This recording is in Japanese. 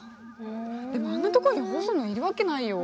でもあんなとこにホソノいるわけないよ。